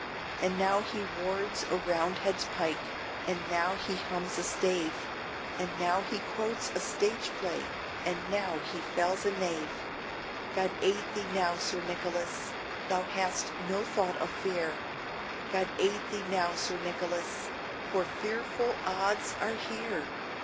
And now he wards a Roundhead's pike, and now he hums a stave, And now he quotes a stage play, and now he fells a knave. God aid thee now, Sir Nicholas! thou hast no thought of fear; God aid thee now, Sir Nicholas! for fearful odds are here!